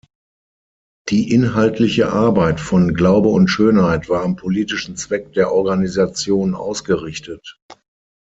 Die inhaltliche Arbeit von "Glaube und Schönheit" war am politischen Zweck der Organisation ausgerichtet.